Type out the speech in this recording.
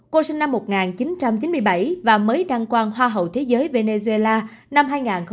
cô sinh năm một nghìn chín trăm chín mươi bảy và mới đăng quan hoa hậu thế giới venezuela năm hai nghìn một mươi